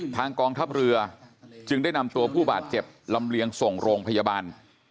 กองทัพเรือจึงได้นำตัวผู้บาดเจ็บลำเลียงส่งโรงพยาบาล